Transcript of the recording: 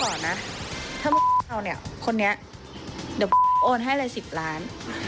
ขอนะถ้ามึงเอาเนี้ยคนนี้เดี๋ยวโอนให้เลยสิบล้าน